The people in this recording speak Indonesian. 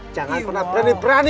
jangan pernah berani berani